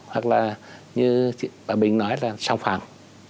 hoặc là như bà bình nói là sòng phạm